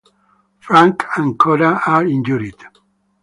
Frank and Cora are injured.